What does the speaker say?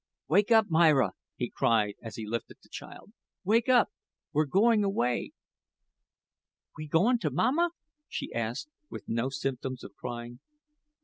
"Wake up, Myra," he cried, as he lifted the child; "wake up. We're going away." "We goin' to mamma?" she asked, with no symptoms of crying.